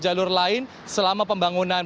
jalur lain selama pembangunan